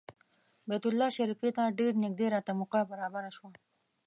بیت الله شریفې ته ډېر نږدې راته موقع برابره شوه.